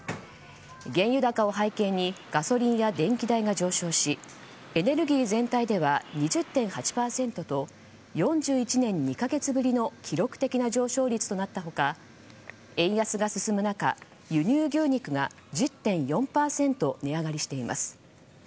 原油高を背景にガソリンや電気代が上昇しエネルギー全体では２０．８％と４１年２か月ぶりの記録的な上昇率となった他円安が進む中、輸入牛肉が１０．４％値上がりしています。